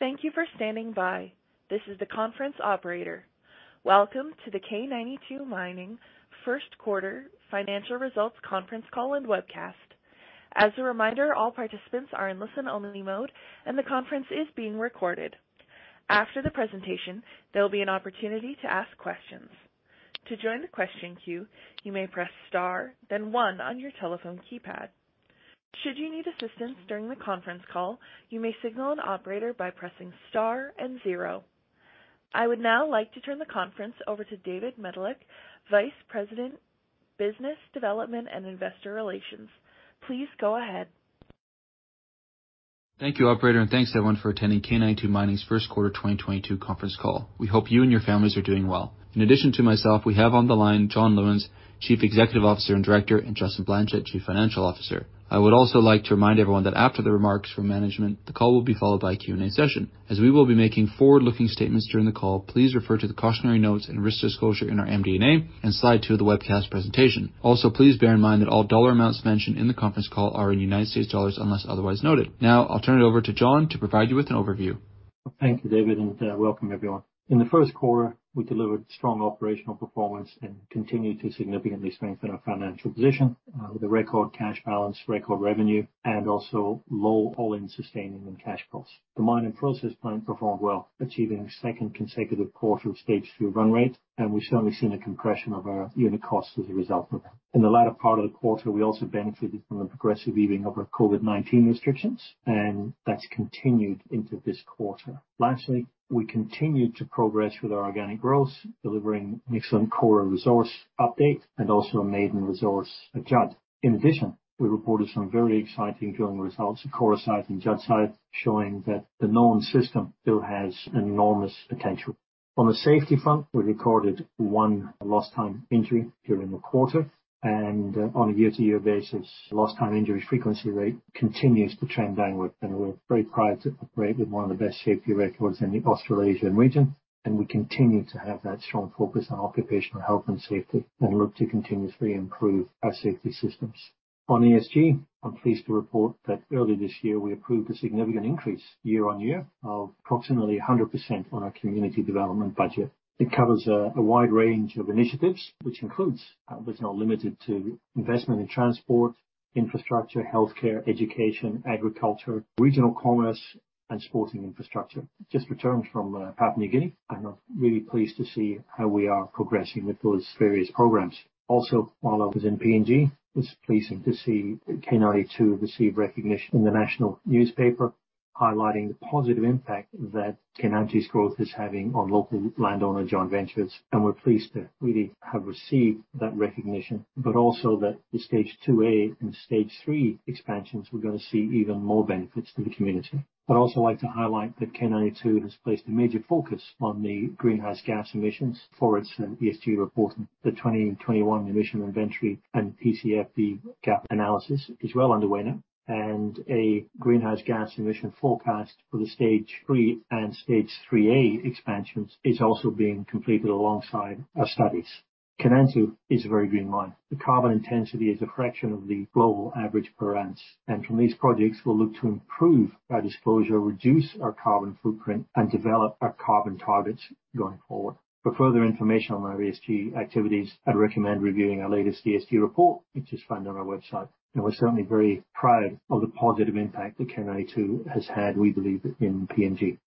Thank you for standing by. This is the conference operator. Welcome to the K92 Mining first quarter financial results conference call and webcast. As a reminder, all participants are in listen-only mode, and the conference is being recorded. After the presentation, there'll be an opportunity to ask questions. To join the question queue, you may press star then one on your telephone keypad. Should you need assistance during the conference call, you may signal an operator by pressing star and zero. I would now like to turn the conference over to David Medilek, Vice President, Business Development and Investor Relations. Please go ahead. Thank you, operator, and thanks everyone for attending K92 Mining's first quarter 2022 conference call. We hope you and your families are doing well. In addition to myself, we have on the line John Lewins, Chief Executive Officer and Director, and Justin Blanchet, Chief Financial Officer. I would also like to remind everyone that after the remarks from management, the call will be followed by a Q&A session. As we will be making forward-looking statements during the call, please refer to the cautionary notes and risk disclosure in our MD&A and slide two of the webcast presentation. Also, please bear in mind that all dollar amounts mentioned in the conference call are in United States dollars, unless otherwise noted. Now, I'll turn it over to John to provide you with an overview. Thank you, David, and welcome everyone. In the first quarter, we delivered strong operational performance and continued to significantly strengthen our financial position with a record cash balance, record revenue, and also low all-in sustaining and cash costs. The mine and process plant performed well, achieving a second consecutive quarter of Stage 2 run rate, and we've certainly seen a compression of our unit costs as a result of that. In the latter part of the quarter, we also benefited from the progressive easing of our COVID-19 restrictions, and that's continued into this quarter. Lastly, we continued to progress with our organic growth, delivering an excellent quarter resource update and also a maiden resource at Judd. In addition, we reported some very exciting drilling results at Kora site and Judd site, showing that the known system still has enormous potential. On the safety front, we recorded one lost time injury during the quarter, and on a year-to-year basis, lost time injury frequency rate continues to trend downward. We're very proud to operate with one of the best safety records in the Australasian region, and we continue to have that strong focus on occupational health and safety, and look to continuously improve our safety systems. On ESG, I'm pleased to report that early this year, we approved a significant increase year-over-year of approximately 100% on our community development budget. It covers a wide range of initiatives, which includes, but is not limited to investment in transport, infrastructure, healthcare, education, agriculture, regional commerce and sporting infrastructure. Just returned from Papua New Guinea. I'm really pleased to see how we are progressing with those various programs. Also, while I was in PNG, it's pleasing to see K92 receive recognition in the national newspaper, highlighting the positive impact that Kainantu's growth is having on local landowner joint ventures. We're pleased to really have received that recognition, but also that the Stage 2A and Stage 3 expansions, we're gonna see even more benefits to the community. I'd also like to highlight that K92 has placed a major focus on the greenhouse gas emissions for its ESG reporting. The 2020 and 2021 emission inventory and TCFD gap analysis is well underway now. A greenhouse gas emission forecast for the Stage 3 and Stage 3A expansions is also being completed alongside our studies. Kainantu is a very green mine. The carbon intensity is a fraction of the global average per ounce, and from these projects, we'll look to improve our disclosure, reduce our carbon footprint, and develop our carbon targets going forward. For further information on our ESG activities, I'd recommend reviewing our latest ESG report, which is found on our website. We're certainly very proud of the positive impact that K92 has had, we believe, in PNG.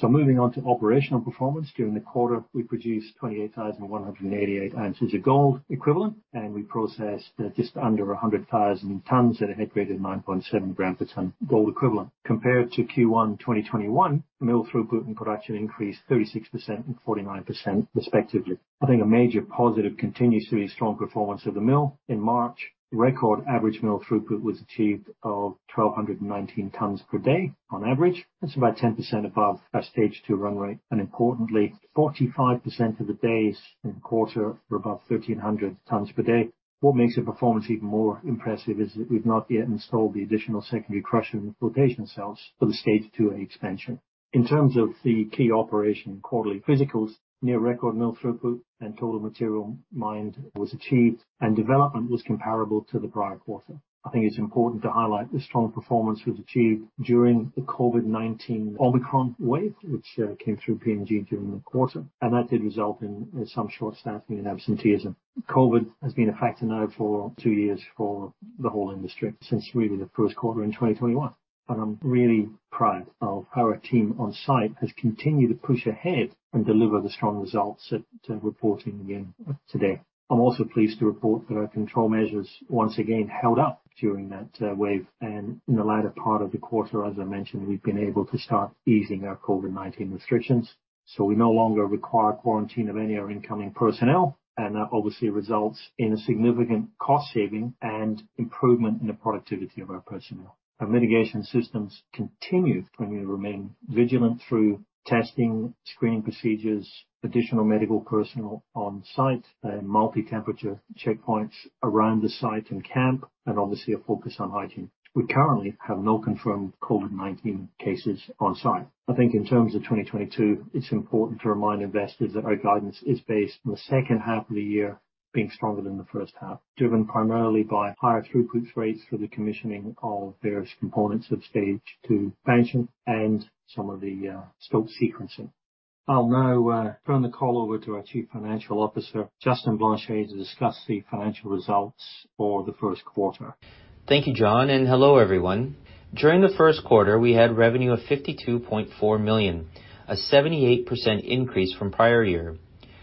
Moving on to operational performance. During the quarter, we produced 28,188 ounces of gold equivalent, and we processed just under 100,000 tons at a head grade of 9.7 grams per ton gold equivalent. Compared to Q1 2021, mill throughput and production increased 36% and 49% respectively. I think a major positive continues to be strong performance of the mill. In March, record average mill throughput was achieved of 1,219 tons per day on average. That's about 10% above our Stage 2 run rate, and importantly, 45% of the days in quarter were above 1,300 tons per day. What makes the performance even more impressive is that we've not yet installed the additional secondary crushing flotation cells for the Stage 2A expansion. In terms of the key operation quarterly physicals, near-record mill throughput and total material mined was achieved, and development was comparable to the prior quarter. I think it's important to highlight the strong performance was achieved during the COVID-19 Omicron wave, which came through PNG during the quarter, and that did result in some short staffing and absenteeism. COVID has been a factor now for two years for the whole industry, since really the first quarter in 2021, and I'm really proud of how our team on site has continued to push ahead and deliver the strong results that we're reporting again today. I'm also pleased to report that our control measures once again held up during that wave. In the latter part of the quarter, as I mentioned, we've been able to start easing our COVID-19 restrictions. We no longer require quarantine of any of our incoming personnel, and that obviously results in a significant cost saving and improvement in the productivity of our personnel. Our mitigation systems continue to remain vigilant through testing, screening procedures, additional medical personnel on site, multi-temperature checkpoints around the site and camp, and obviously a focus on hygiene. We currently have no confirmed COVID-19 cases on site. I think in terms of 2022, it's important to remind investors that our guidance is based on the H2 of the year, being stronger than the H1, driven primarily by higher throughput rates for the commissioning of various components of Stage 2 expansion and some of the scope sequencing. I'll now turn the call over to our Chief Financial Officer, Justin Blanchet, to discuss the financial results for the first quarter. Thank you, John, and hello, everyone. During the first quarter, we had revenue of $52.4 million, a 78% increase from prior year.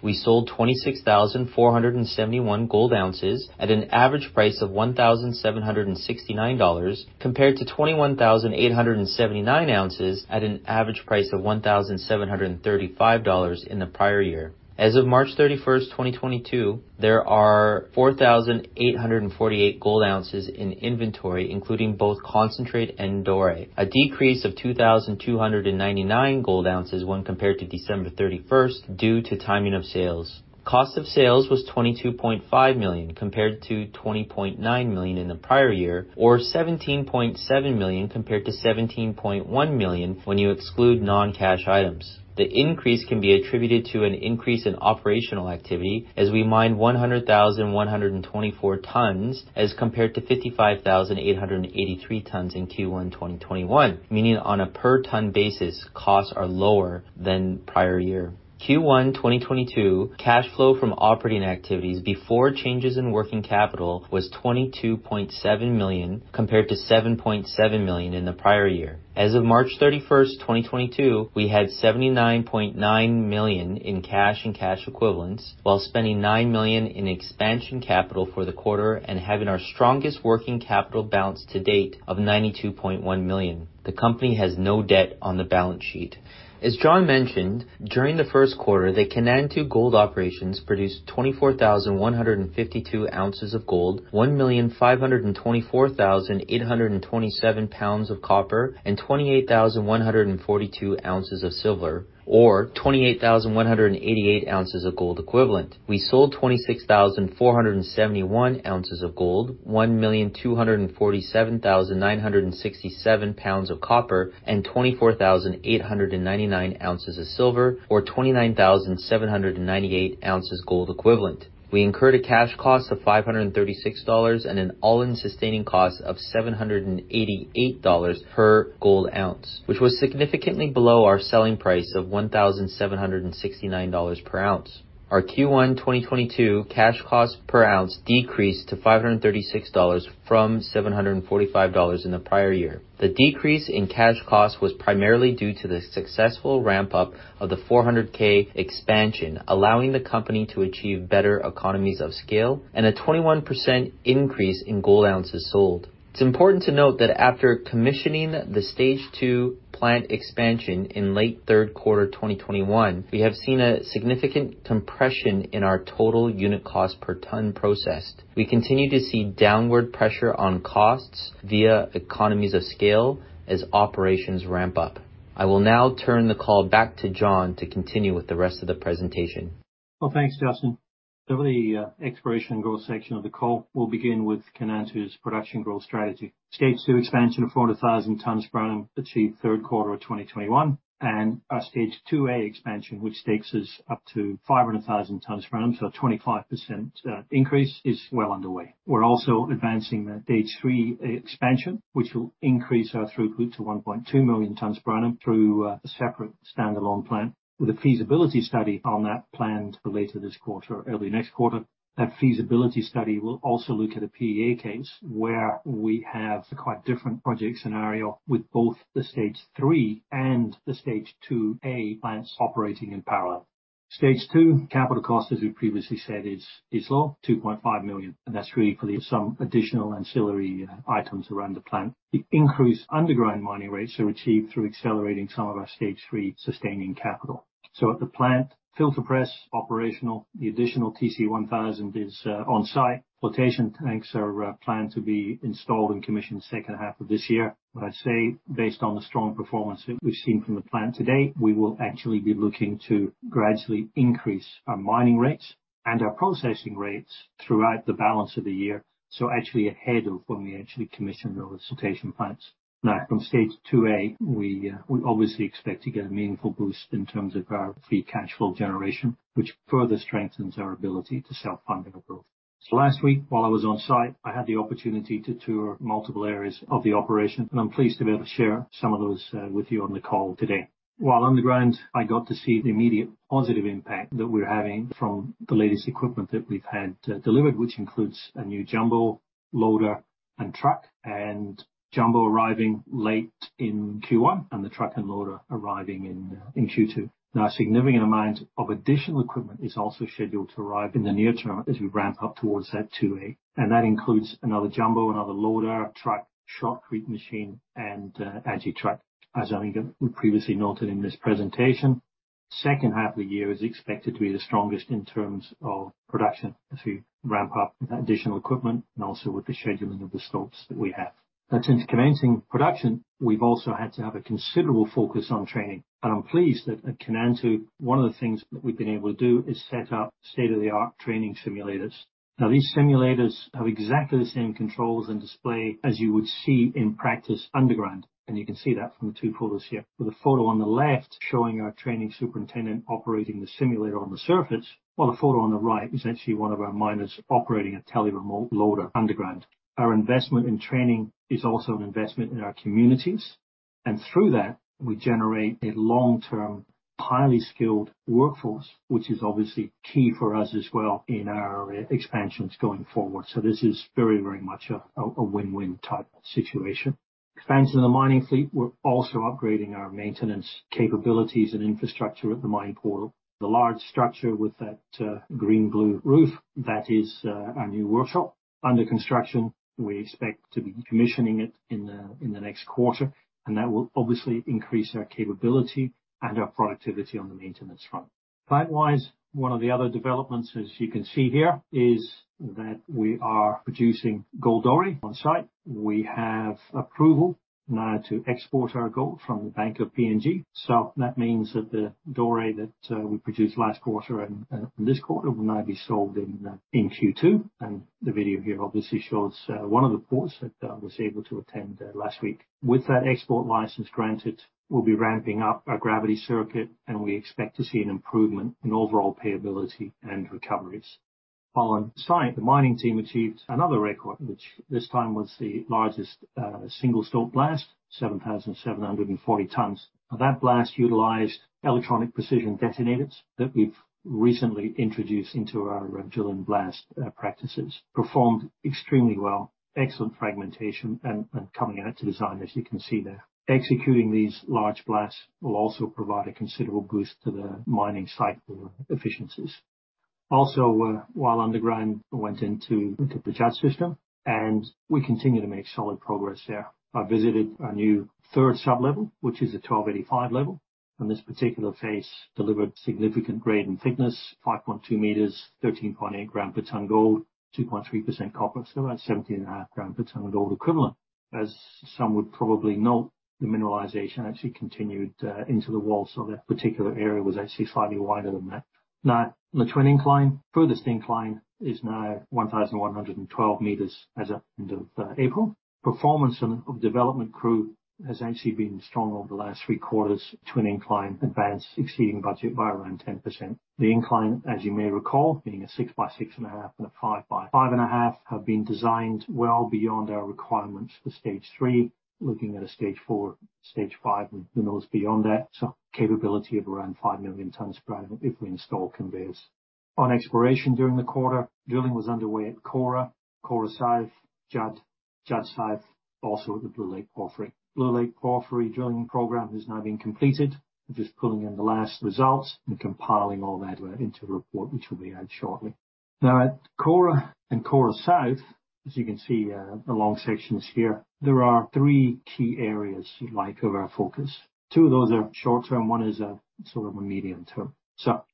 We sold 26,471 gold ounces at an average price of $1,769, compared to 21,879 ounces at an average price of $1,735 in the prior year. As of March 31, 2022, there are 4,848 gold ounces in inventory, including both concentrate and doré. A decrease of 2,299 gold ounces when compared to December 31, due to timing of sales. Cost of sales was $22.5 million compared to $20.9 million in the prior year, or $17.7 million compared to $17.1 million when you exclude non-cash items. The increase can be attributed to an increase in operational activity as we mined 100,124 tons as compared to 55,883 tons in Q1 2021. Meaning on a per ton basis, costs are lower than prior year. Q1 2022 cash flow from operating activities before changes in working capital was $22.7 million, compared to $7.7 million in the prior year. As of March 31, 2022, we had $79.9 million in cash and cash equivalents, while spending $9 million in expansion capital for the quarter and having our strongest working capital balance to date of $92.1 million. The company has no debt on the balance sheet. As John mentioned, during the first quarter, the Kainantu gold operations produced 24,152 ounces of gold, 1,524,827 pounds of copper, and 28,142 ounces of silver, or 28,188 ounces of gold equivalent. We sold 26,471 ounces of gold, 1,247,967 pounds of copper, and 24,899 ounces of silver, or 29,798 ounces gold equivalent. We incurred a cash cost of $536 and an all-in sustaining cost of $788 per gold ounce, which was significantly below our selling price of $1,769 per ounce. Our Q1 2022 cash cost per ounce decreased to $536 from $745 in the prior year. The decrease in cash cost was primarily due to the successful ramp up of the 400K expansion, allowing the company to achieve better economies of scale and a 21% increase in gold ounces sold. It's important to note that after commissioning the Stage 2 plant expansion in late third quarter 2021, we have seen a significant compression in our total unit cost per ton processed. We continue to see downward pressure on costs via economies of scale as operations ramp up. I will now turn the call back to John to continue with the rest of the presentation. Well, thanks, Justin. For the exploration growth section of the call, we'll begin with K92's production growth strategy. Stage 2 expansion of 400,000 tonnes ground achieved third quarter of 2021, and our Stage 2A expansion, which takes us up to 500,000 tonnes ground, so a 25% increase, is well underway. We're also advancing the Stage 3 expansion, which will increase our throughput to 1.2 million tonnes ground through a separate standalone plant, with a feasibility study on that planned for later this quarter or early next quarter. That feasibility study will also look at a PEA case where we have a quite different project scenario with both the Stage 3 and the Stage 2A plants operating in parallel. Stage 2 capital cost, as we previously said, is low, $2.5 million. That's really for some additional ancillary items around the plant. The increased underground mining rates are achieved through accelerating some of our Stage 3 sustaining capital. At the plant, filter press operational. The additional TC1000 is on-site. Flotation tanks are planned to be installed and commissioned H2 of this year. I'd say, based on the strong performance that we've seen from the plant to date, we will actually be looking to gradually increase our mining rates and our processing rates throughout the balance of the year, so actually ahead of when we actually commission those flotation plants. Now, from Stage 2A, we obviously expect to get a meaningful boost in terms of our free cash flow generation, which further strengthens our ability to self-fund our growth. Last week, while I was on-site, I had the opportunity to tour multiple areas of the operation, and I'm pleased to be able to share some of those with you on the call today. While underground, I got to see the immediate positive impact that we're having from the latest equipment that we've had delivered, which includes a new jumbo loader and truck, and jumbo arriving late in Q1, and the truck and loader arriving in Q2. Now, a significant amount of additional equipment is also scheduled to arrive in the near term as we ramp up towards that Stage 2A, and that includes another jumbo, another loader, a truck, shotcrete machine, and agitator truck. As I think we previously noted in this presentation, H2 of the year is expected to be the strongest in terms of production as we ramp up with that additional equipment and also with the scheduling of the stops that we have. Now, since commencing production, we've also had to have a considerable focus on training. I'm pleased that at Kainantu, one of the things that we've been able to do is set up state-of-the-art training simulators. Now, these simulators have exactly the same controls and display as you would see in practice underground, and you can see that from the two photos here, with the photo on the left showing our training superintendent operating the simulator on the surface, while the photo on the right is actually one of our miners operating a tele-remote loader underground. Our investment in training is also an investment in our communities. Through that, we generate a long-term, highly skilled workforce, which is obviously key for us as well in our expansions going forward. This is very, very much a win-win type situation. Expanding the mining fleet, we're also upgrading our maintenance capabilities and infrastructure at the mine portal. The large structure with that green-blue roof, that is our new workshop under construction. We expect to be commissioning it in the next quarter, and that will obviously increase our capability and our productivity on the maintenance front. Plant-wise, one of the other developments, as you can see here, is that we are producing gold doré on-site. We have approval now to export our gold from the Bank of PNG. That means that the doré that we produced last quarter and this quarter will now be sold in Q2. The video here obviously shows one of the ports that I was able to attend last week. With that export license granted, we'll be ramping up our gravity circuit, and we expect to see an improvement in overall payability and recoveries. While on site, the mining team achieved another record, which this time was the largest single stope blast, 7,740 tons. Now, that blast utilized electronic precision detonators that we've recently introduced into our drill and blast practices. Performed extremely well, excellent fragmentation, and coming out to design, as you can see there. Executing these large blasts will also provide a considerable boost to the mining site for efficiencies. Also, while underground, went into the Judd system, and we continue to make solid progress there. I visited our new third sub-level, which is a 1285 level, and this particular face delivered significant grade and thickness, 5.2 meters, 13.8 grams per ton gold, 2.3% copper, so about 17.5 grams per ton of gold equivalent. As some would probably note, the mineralization actually continued into the wall, so that particular area was actually slightly wider than that. Now, the twin incline. Furthest incline is now 1,112 meters as at end of April. Performance of development crew has actually been strong over the last three quarters. Twin incline advanced, exceeding budget by around 10%. The incline, as you may recall, being a six by six and a half, and a five by five and a half, have been designed well beyond our requirements for Stage 3, looking at a Stage 4, Stage 5, and who knows beyond that. Capability of around 5 million tons per annum if we install conveyors. On exploration during the quarter, drilling was underway at Kora South, Judd South, also at the Blue Lake Porphyry. Blue Lake Porphyry drilling program has now been completed. We're just pulling in the last results and compiling all that into a report which will be out shortly. Now, at Kora and Kora South, as you can see, the long sections here, there are three key areas you'd like of our focus. Two of those are short-term, one is sort of a medium term.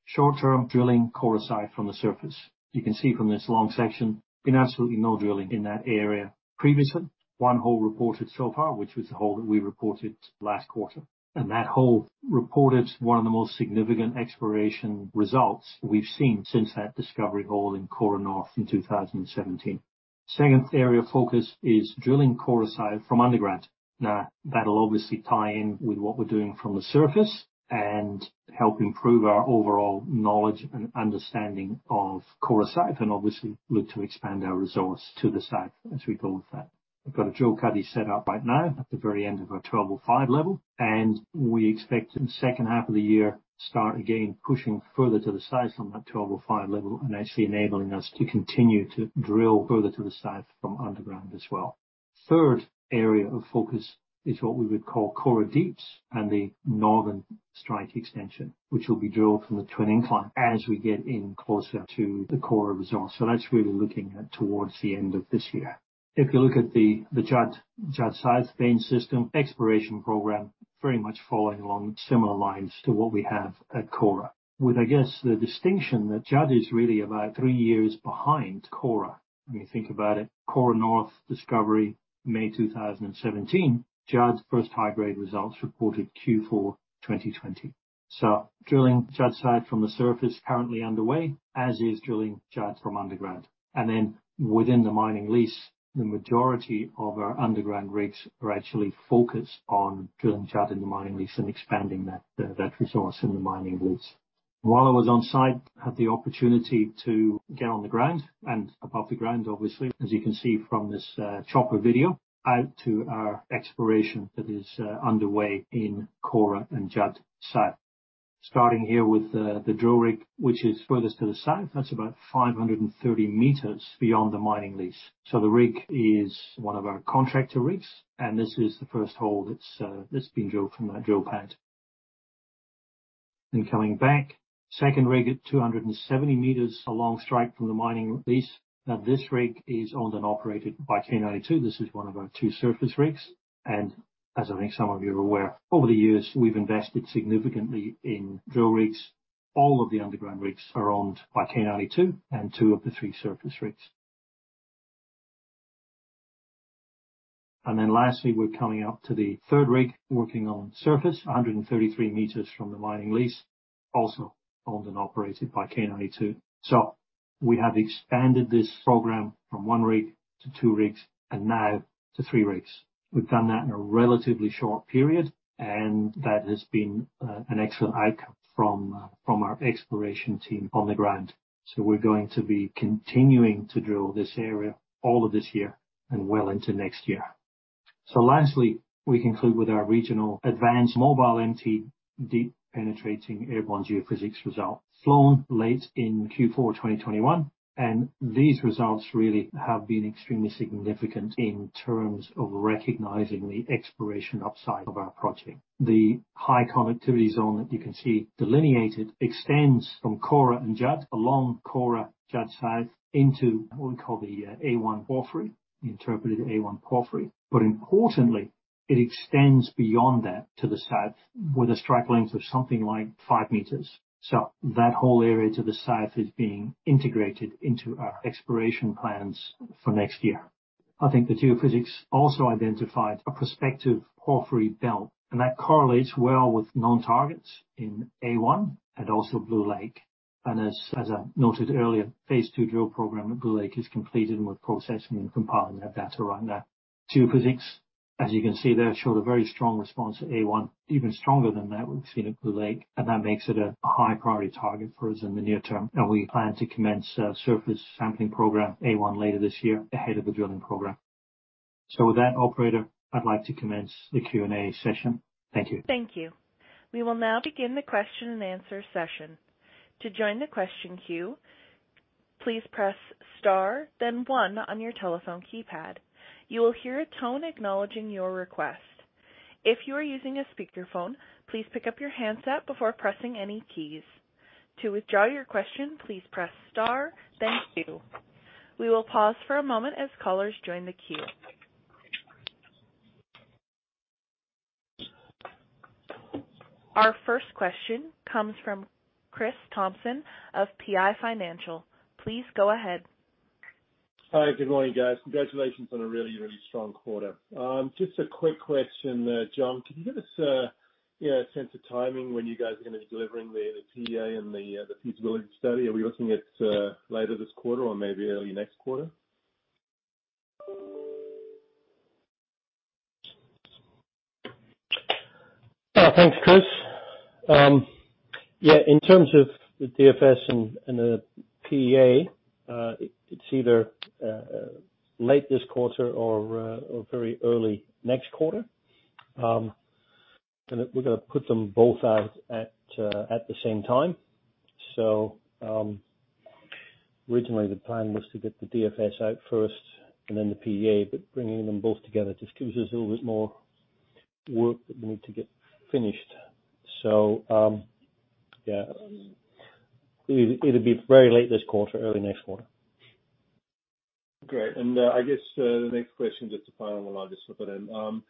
Short-term, drilling Kora South from the surface. You can see from this long section, been absolutely no drilling in that area previously. One hole reported so far, which was the hole that we reported last quarter. That hole reported one of the most significant exploration results we've seen since that discovery hole in Kora North in 2017. Second area of focus is drilling Kora South from underground. Now, that'll obviously tie in with what we're doing from the surface and help improve our overall knowledge and understanding of Kora South, and obviously look to expand our resource to the south as we go with that. We've got a drill cuddy set up right now at the very end of our 1205 Level, and we expect in H2 of the year, start again pushing further to the south on that 1205 Level and actually enabling us to continue to drill further to the south from underground as well. Third area of focus is what we would call Kora Deeps and the northern strike extension, which will be drilled from the twin incline as we get in closer to the Kora resource. That's where we're looking at towards the end of this year. If you look at the Judd South vein system, exploration program very much following along similar lines to what we have at Kora. With, I guess, the distinction that Judd is really about three years behind Kora. When you think about it, Kora North discovery May 2017. Judd's first high-grade results reported Q4 2020. Drilling Judd South from the surface currently underway, as is drilling Judd from underground. Then within the mining lease, the majority of our underground rigs are actually focused on drilling Judd in the mining lease and expanding that resource in the mining lease. While I was on-site, had the opportunity to get on the ground, and above the ground, obviously, as you can see from this chopper video, out to our exploration that is underway in Kora and Judd South. Starting here with the drill rig, which is furthest to the south. That's about 530 meters beyond the mining lease. The rig is one of our contractor rigs, and this is the first hole that's been drilled from that drill pad. Coming back, second rig at 270 meters along strike from the mining lease. Now, this rig is owned and operated by K92. This is one of our two surface rigs. And as I think some of you are aware, over the years, we've invested significantly in drill rigs. All of the underground rigs are owned by K92 and two of the three surface rigs. And then lastly, we're coming up to the third rig working on surface, 133 meters from the mining lease, also owned and operated by K92. We have expanded this program from one rig to two rigs and now to three rigs. We've done that in a relatively short period, and that has been an excellent outcome from our exploration team on the ground. We're going to be continuing to drill this area all of this year and well into next year. Lastly, we conclude with our regional advanced mobile VTEM deep penetrating airborne geophysics result flown late in Q4 2021. These results really have been extremely significant in terms of recognizing the exploration upside of our project. The high conductivity zone that you can see delineated extends from Kora and Judd along Kora, Judd South into what we call the A1 porphyry, the interpreted A1 porphyry. Importantly, it extends beyond that to the south with a strike length of something like 2,500 meters. That whole area to the south is being integrated into our exploration plans for next year. I think the geophysics also identified a prospective porphyry belt, and that correlates well with known targets in A1 and also Blue Lake. As I noted earlier, phase two drill program at Blue Lake is completed, and we're processing and compiling that data right now. Geophysics, as you can see there, showed a very strong response at A1, even stronger than that we've seen at Blue Lake, and that makes it a high priority target for us in the near term. We plan to commence a surface sampling program at A1 later this year ahead of the drilling program. With that, operator, I'd like to commence the Q&A session. Thank you. Thank you. We will now begin the question-and-answer session. To join the question queue, please press star then one on your telephone keypad. You will hear a tone acknowledging your request. If you are using a speakerphone, please pick up your handset before pressing any keys. To withdraw your question, please press star then two. We will pause for a moment as callers join the queue. Our first question comes from Chris Thompson of PI Financial. Please go ahead. Hi. Good morning, guys. Congratulations on a really, really strong quarter. Just a quick question, John, can you give us a sense of timing when you guys are gonna be delivering the PEA and the feasibility study? Are we looking at later this quarter or maybe early next quarter? Thanks, Chris. Yeah, in terms of the DFS and the PEA, it's either late this quarter or very early next quarter. We're gonna put them both out at the same time. Originally the plan was to get the DFS out first and then the PEA, but bringing them both together just gives us a little bit more work that we need to get finished. It'll be very late this quarter, early next quarter. Great. I guess the next question, just to pile on while I just slip it in.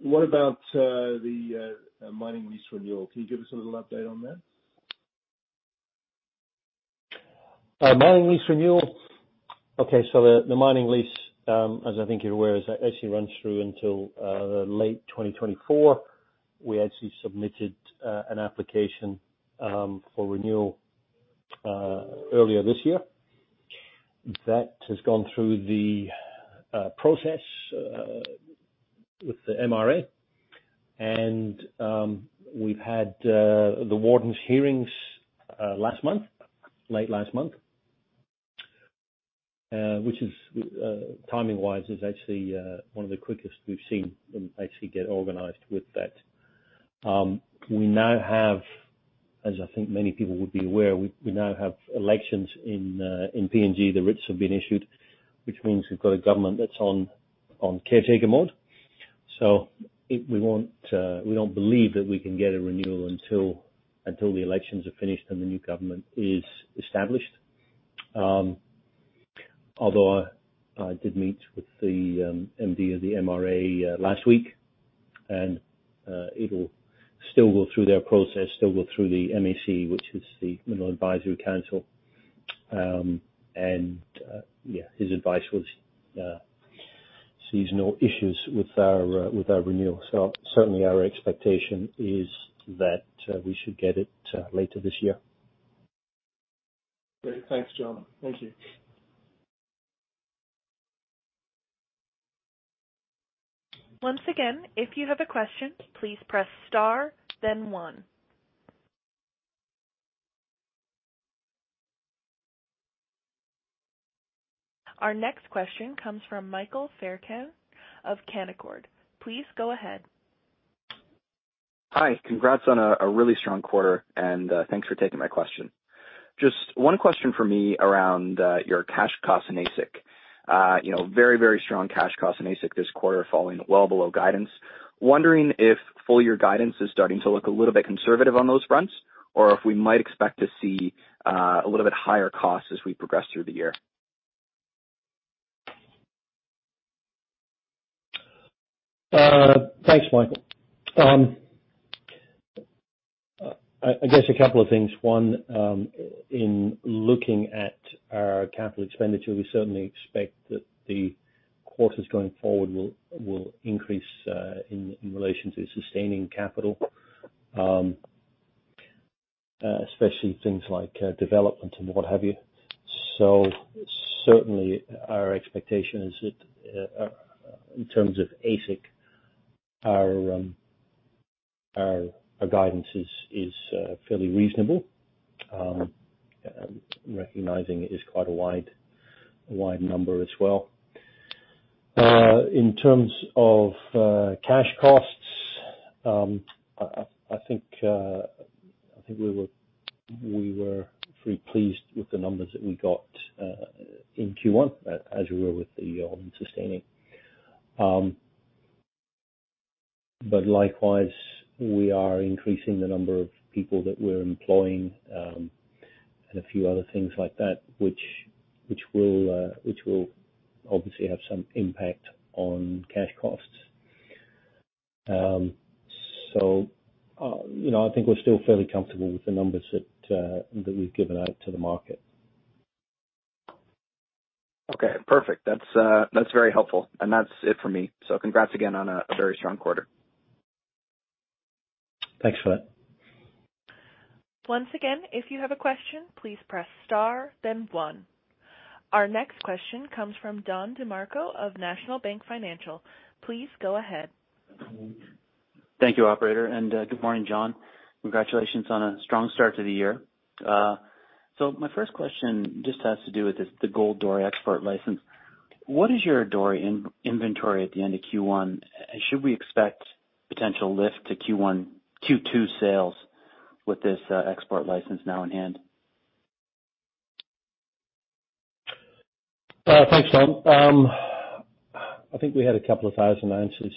What about the mining lease renewal? Can you give us a little update on that? Mining lease renewal. Okay. The mining lease, as I think you're aware, actually runs through until late 2024. We actually submitted an application for renewal earlier this year. That has gone through the process with the MRA, and we've had the warden's hearings last month, late last month. Which is timing-wise actually one of the quickest we've seen them actually get organized with that. We now have, as I think many people would be aware, elections in PNG. The writs have been issued, which means we've got a government that's on caretaker mode. We don't believe that we can get a renewal until the elections are finished and the new government is established. Although I did meet with the MD of the MRA last week, it'll still go through their process, still go through the MAC, which is the Mining Advisory Council. His advice was sees no issues with our renewal. Certainly our expectation is that we should get it later this year. Great. Thanks, John. Thank you. Once again, if you have a question, please press star then one. Our next question comes from Michael Fairbairn of Canaccord Genuity. Please go ahead. Hi. Congrats on a really strong quarter, and thanks for taking my question. Just one question from me around your cash costs in AISC. You know, very strong cash costs in AISC this quarter, falling well below guidance. Wondering if full year guidance is starting to look a little bit conservative on those fronts or if we might expect to see a little bit higher costs as we progress through the year. Thanks, Michael. I guess a couple of things. One, in looking at our capital expenditure, we certainly expect that the quarters going forward will increase in relation to sustaining capital, especially things like development and what have you. Certainly our expectation is that in terms of AISC, our guidance is fairly reasonable, recognizing it is quite a wide number as well. In terms of cash costs, I think we were pretty pleased with the numbers that we got in Q1, as we were with the sustaining. Likewise, we are increasing the number of people that we're employing, and a few other things like that, which will obviously have some impact on cash costs. You know, I think we're still fairly comfortable with the numbers that we've given out to the market. Okay, perfect. That's very helpful. That's it for me. Congrats again on a very strong quarter. Thanks for that. Once again, if you have a question, please press star then one. Our next question comes from Don DeMarco of National Bank Financial. Please go ahead. Thank you, operator. Good morning, John. Congratulations on a strong start to the year. My first question just has to do with this, the gold doré export license. What is your doré in inventory at the end of Q1, and should we expect potential lift to Q1, Q2 sales with this export license now in hand? Thanks, Don. I think we had a couple of thousand ounces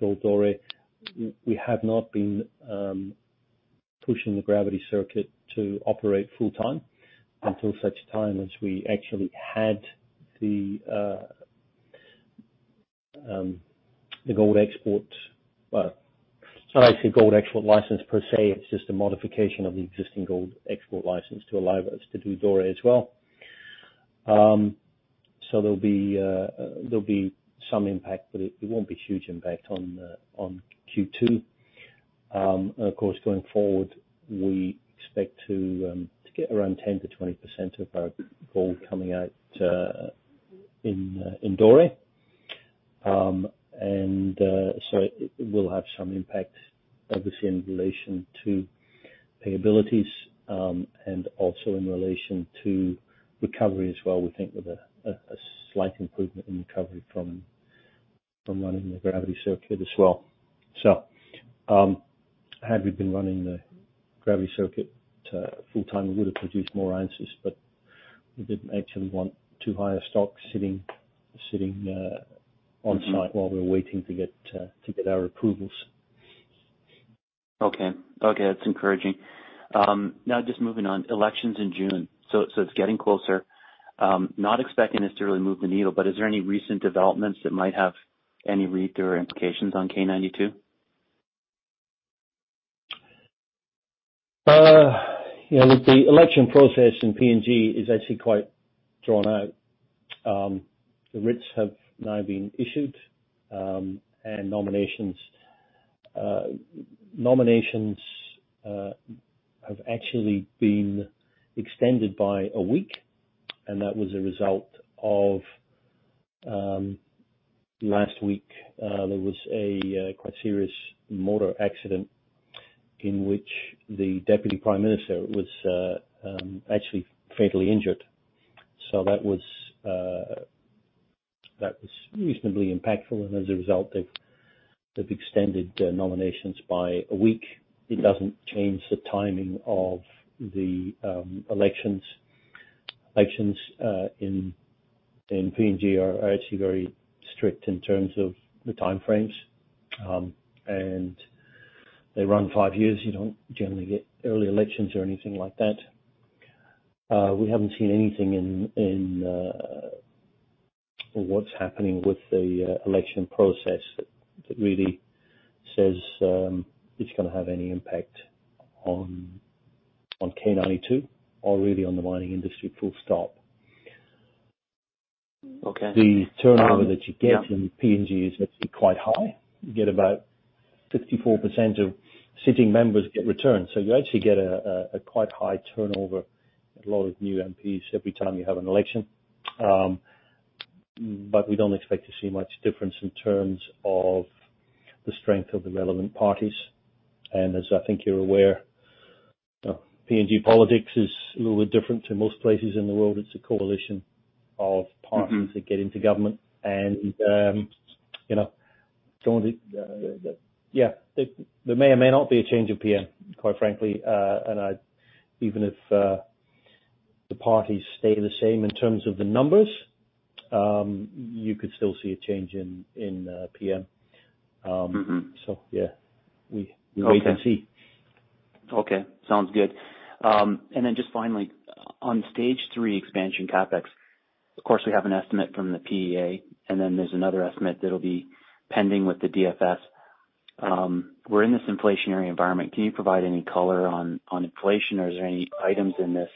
gold doré. We have not been pushing the gravity circuit to operate full-time until such time as we actually had the gold export. Well, it's not actually gold export license per se, it's just a modification of the existing gold export license to allow us to do doré as well. There'll be some impact, but it won't be huge impact on Q2. Of course, going forward, we expect to get around 10%-20% of our gold coming out in doré. It will have some impact, obviously, in relation to payables, and also in relation to recovery as well. We think with a slight improvement in recovery from running the gravity circuit as well. Had we been running the gravity circuit full-time, we would have produced more ounces, but we didn't actually want too high a stock sitting on-site while we were waiting to get our approvals. Okay, that's encouraging. Now just moving on, elections in June. It's getting closer. Not expecting this to really move the needle, but is there any recent developments that might have any read-through or implications on K92? You know, the election process in PNG is actually quite drawn out. The writs have now been issued, and nominations have actually been extended by a week, and that was a result of last week there was a quite serious motor accident in which the deputy prime minister was actually fatally injured. That was reasonably impactful. As a result, they've extended the nominations by a week. It doesn't change the timing of the elections. Elections in PNG are actually very strict in terms of the time frames. They run five years. You don't generally get early elections or anything like that. We haven't seen anything in what's happening with the election process that really says it's gonna have any impact on K92 or really on the mining industry full stop. Okay. The turnover that you get in PNG is actually quite high. You get about 64% of sitting members get returned. You actually get a quite high turnover, a lot of new MPs every time you have an election. We don't expect to see much difference in terms of the strength of the relevant parties. As I think you're aware, PNG politics is a little bit different to most places in the world. It's a coalition of parties that get into government. You know, there may or may not be a change of PM, quite frankly. Even if the parties stay the same in terms of the numbers, you could still see a change in PM. Mm-hmm. So yeah, we- Okay. We wait and see. Okay, sounds good. Just finally, on Stage 3 expansion CapEx. Of course, we have an estimate from the PEA, and then there's another estimate that'll be pending with the DFS. We're in this inflationary environment. Can you provide any color on inflation, or is there any items in this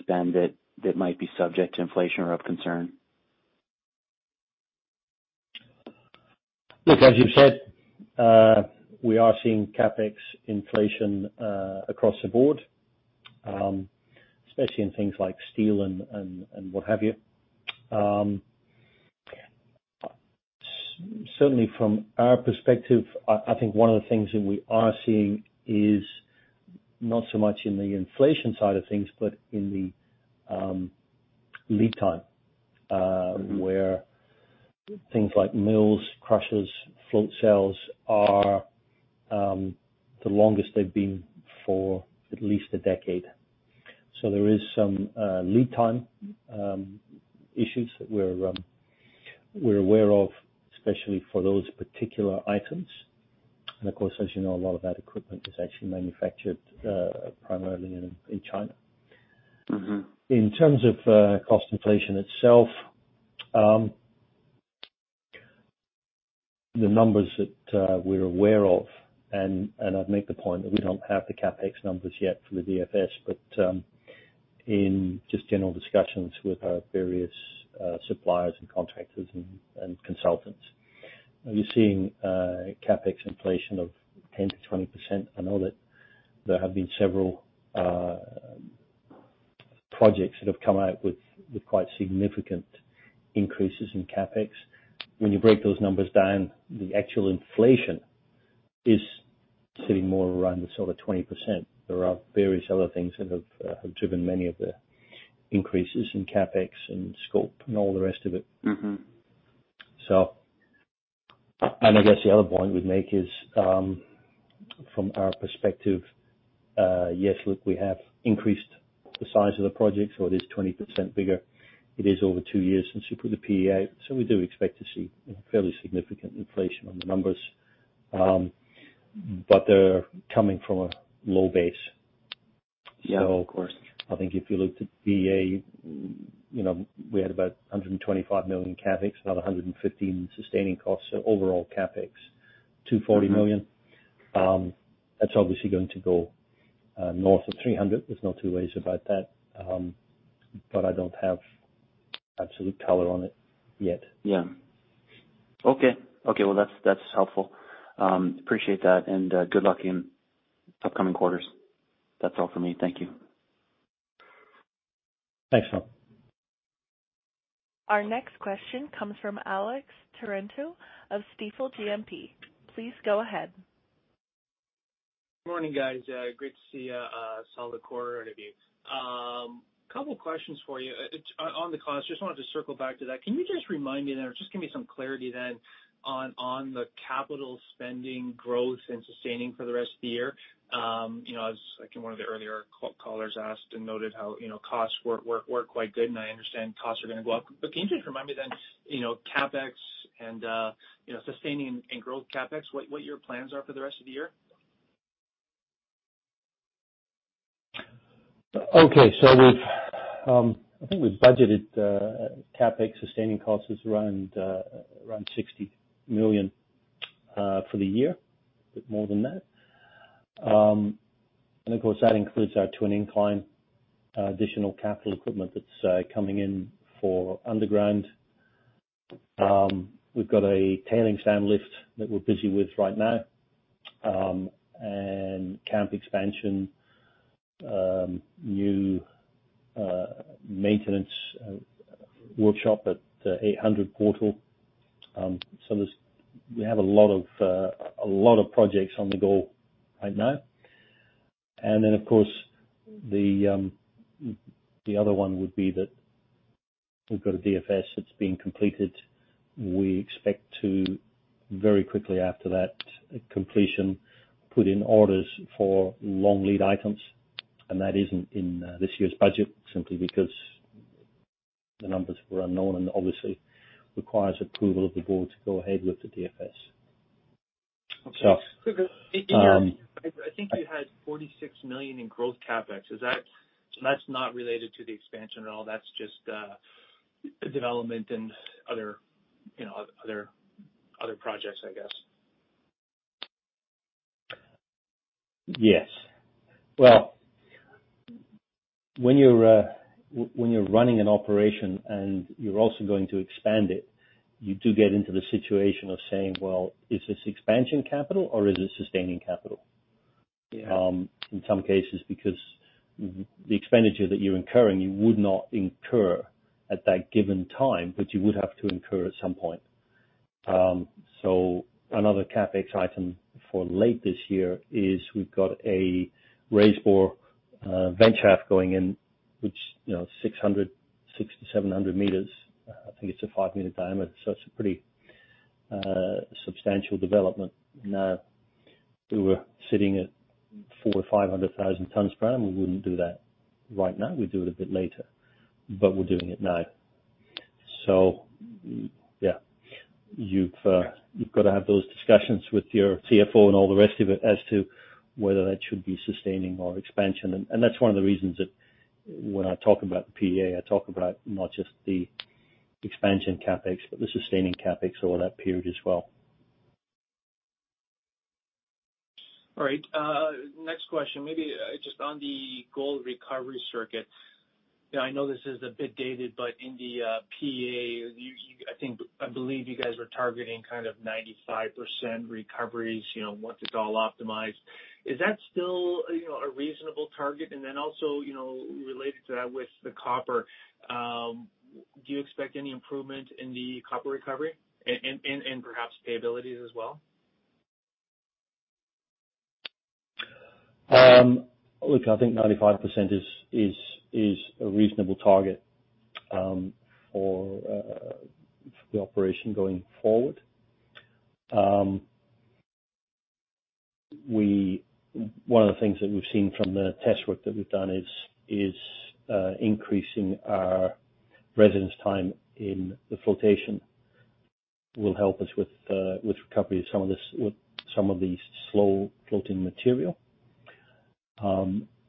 spend that might be subject to inflation or of concern? Look, as you've said, we are seeing CapEx inflation across the board, especially in things like steel and what have you. Certainly from our perspective, I think one of the things that we are seeing is not so much in the inflation side of things, but in the lead time where things like mills, crushers, float cells are the longest they've been for at least a decade. So there is some lead time issues that we're aware of, especially for those particular items. Of course, as you know, a lot of that equipment is actually manufactured primarily in China. Mm-hmm. In terms of cost inflation itself, the numbers that we're aware of, and I'd make the point that we don't have the CapEx numbers yet for the DFS. In just general discussions with our various suppliers and contractors and consultants, we're seeing CapEx inflation of 10%-20%. I know that there have been several projects that have come out with quite significant increases in CapEx. When you break those numbers down, the actual inflation is sitting more around the sort of 20%. There are various other things that have driven many of the increases in CapEx and scope and all the rest of it. Mm-hmm. I guess the other point we'd make is, from our perspective, yes, look, we have increased the size of the project, so it is 20% bigger. It is over two years since we put the PEA out, so we do expect to see fairly significant inflation on the numbers. But they're coming from a low base. Yeah, of course. I think if you look to PEA, you know, we had about $125 million in CapEx, another $115 million sustaining costs, so overall CapEx, $240 million. That's obviously going to go North of $300 million. There's no two ways about that. But I don't have absolute color on it yet. Yeah. Okay. Well, that's helpful. Appreciate that, and good luck in upcoming quarters. That's all for me. Thank you. Thanks, Don. Our next question comes from Alex Terentiew of Stifel GMP. Please go ahead. Morning, guys. Great to see a solid quarter out of you. Couple questions for you. It's on the costs, just wanted to circle back to that. Can you just remind me then or just give me some clarity then on the capital spending growth and sustaining for the rest of the year? You know, as like in one of the earlier callers asked and noted how, you know, costs were quite good, and I understand costs are gonna go up. Can you just remind me then, you know, CapEx and, you know, sustaining and growth CapEx, what your plans are for the rest of the year? We've budgeted CapEx sustaining costs as around $60 million for the year, bit more than that. Of course, that includes our twin incline, additional capital equipment that's coming in for underground. We've got a tailings dam lift that we're busy with right now, and camp expansion, new maintenance workshop at 800 portal. We have a lot of projects on the go right now. Of course, the other one would be that we've got a DFS that's being completed. We expect to very quickly after that completion, put in orders for long lead items. That isn't in this year's budget simply because the numbers were unknown and obviously requires approval of the board to go ahead with the DFS. Okay. Just making sure. I think you had $46 million in growth CapEx. Is that not related to the expansion at all? That's just development and other projects, I guess. Yes. Well, when you're running an operation and you're also going to expand it, you do get into the situation of saying, well, is this expansion capital or is it sustaining capital? Yeah. In some cases, because the expenditure that you're incurring, you would not incur at that given time, but you would have to incur at some point. So another CapEx item for late this year is we've got a raise bore, vent shaft going in which, you know, 600-700 meters. I think it's a 5-meter diameter, so it's a pretty substantial development. Now, if we were sitting at 400,000 or 500,000 tons per annum, we wouldn't do that right now. We'd do it a bit later, but we're doing it now. Yeah, you've got to have those discussions with your CFO and all the rest of it as to whether that should be sustaining or expansion. that's one of the reasons that when I talk about the PEA, I talk about not just the expansion CapEx, but the sustaining CapEx over that period as well. All right. Next question. Maybe just on the gold recovery circuits. You know, I know this is a bit dated, but in the PEA, you I think, I believe you guys were targeting kind of 95% recoveries, you know, once it's all optimized. Is that still, you know, a reasonable target? Then also, you know, related to that with the copper, do you expect any improvement in the copper recovery and perhaps payability as well? Look, I think 95% is a reasonable target for the operation going forward. One of the things that we've seen from the test work that we've done is increasing our residence time in the flotation will help us with recovery of some of this, with some of the slow floating material.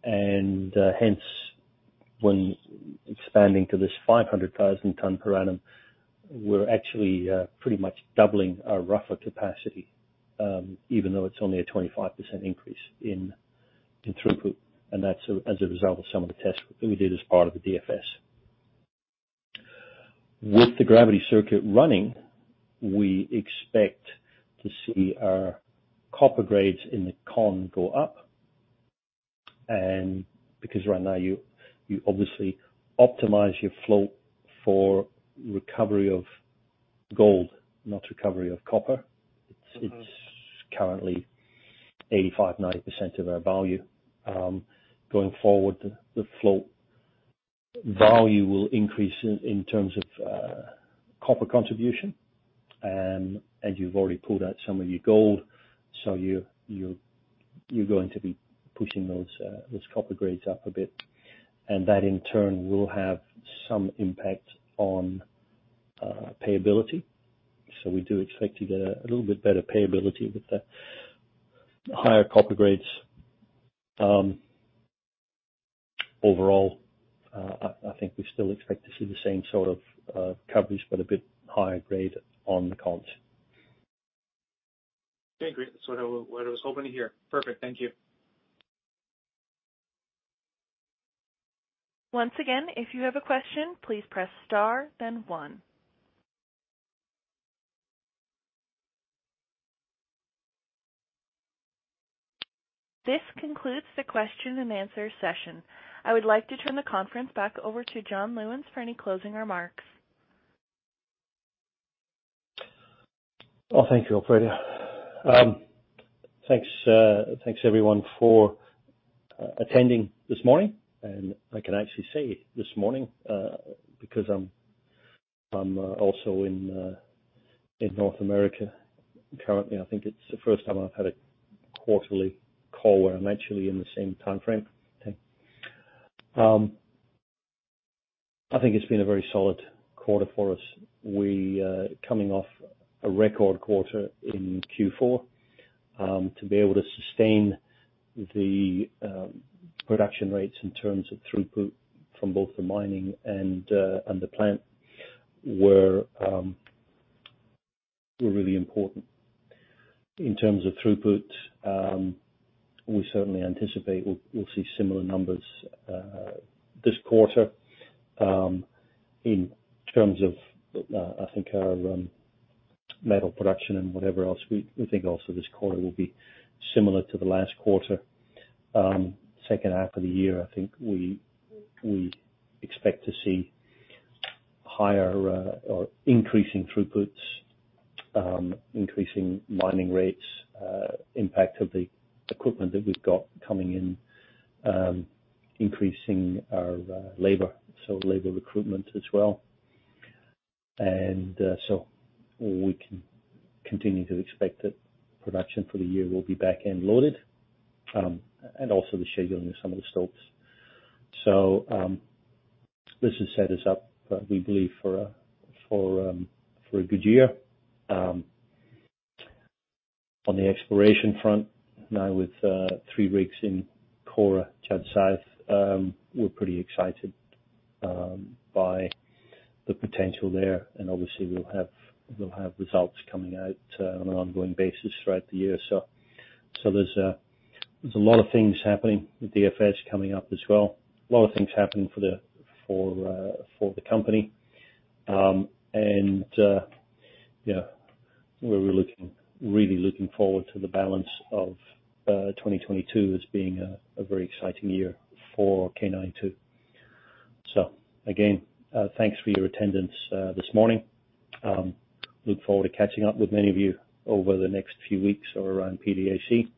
Hence when expanding to this 500,000 tonne per annum, we're actually pretty much doubling our rougher capacity even though it's only a 25% increase in throughput. That's as a result of some of the tests that we did as part of the DFS. With the gravity circuit running, we expect to see our copper grades in the con go up. Because right now you obviously optimize your float for recovery of gold, not recovery of copper. It's currently 85%-90% of our value. Going forward, the float value will increase in terms of copper contribution. You've already pulled out some of your gold, so you're going to be pushing those copper grades up a bit. That in turn will have some impact on payability. We do expect to get a little bit better payability with the higher copper grades. Overall, I think we still expect to see the same sort of coverage but a bit higher grade on the cons. Okay, great. That's what I was hoping to hear. Perfect. Thank you. Once again, if you have a question, please press star then one. This concludes the question-and-answer session. I would like to turn the conference back over to John Lewins for any closing remarks. Oh, thank you, operator. Thanks everyone for attending this morning. I can actually say this morning because I'm also in North America currently. I think it's the first time I've had a quarterly call where I'm actually in the same time frame. I think it's been a very solid quarter for us. We, coming off a record quarter in Q4, to be able to sustain the production rates in terms of throughput from both the mining and the plant, were really important. In terms of throughput, we certainly anticipate we'll see similar numbers this quarter. In terms of, I think our metal production and whatever else, we think also this quarter will be similar to the last quarter. H2 of the year, I think we expect to see higher or increasing throughputs, increasing mining rates, impact of the equipment that we've got coming in, increasing our labor, so labor recruitment as well. So we can continue to expect that production for the year will be back end loaded, and also the scheduling of some of the stopes. This has set us up, we believe for a good year. On the exploration front, now with three rigs in Kora, Judd South, we're pretty excited by the potential there. Obviously we'll have results coming out on an ongoing basis throughout the year. There's a lot of things happening with DFS coming up as well. A lot of things happening for the company. Yeah, we're really looking forward to the balance of 2022 as being a very exciting year for K92. Again, thanks for your attendance this morning. Look forward to catching up with many of you over the next few weeks or around PDAC.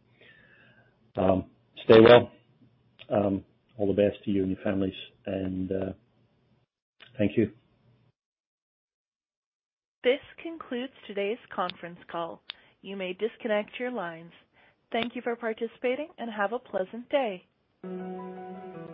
Stay well. All the best to you and your families and thank you. This concludes today's conference call. You may disconnect your lines. Thank you for participating and have a pleasant day.